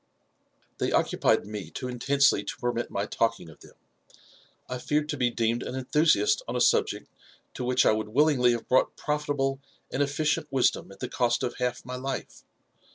"They occupied me too intensely to permit my talking of them. I feared to be deemed an enthusiast on a subject to which I would willingly have brought profitable and efficient wisdom at the cost of half my life.